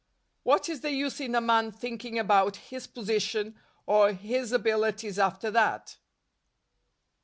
What is the use in a man thinking about his " position " or his " abilities " after that